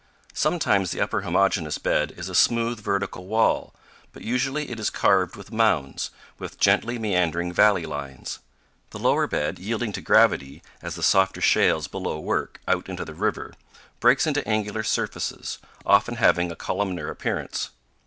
Sometimes the upper homogeneous bed is a smooth, vertical wall, but usually it is carved with mounds, with gently meandering valley lines. The lower bed, yielding to gravity, as the softer shales below work, out into the river, breaks into angular surfaces, often having a columnar appearance.